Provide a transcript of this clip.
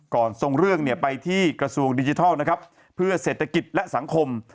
ส่งเรื่องไปที่กระทรวงดิจิทัลนะครับเพื่อเศรษฐกิจและสังคม